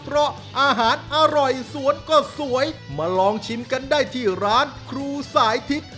เพราะอาหารอร่อยสวนก็สวยมาลองชิมกันได้ที่ร้านครูสายทิศ